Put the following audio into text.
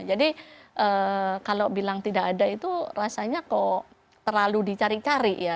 jadi kalau bilang tidak ada itu rasanya kok terlalu dicari cari ya